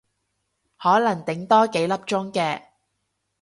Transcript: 可能頂多幾粒鐘嘅